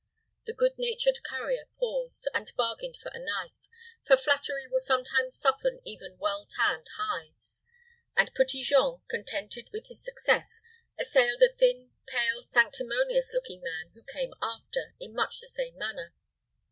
The good natured currier paused, and bargained for a knife, for flattery will sometimes soften even well tanned hides; and Petit Jean, contented with his success, assailed a thin, pale, sanctimonious looking man who came after, in much the same manner.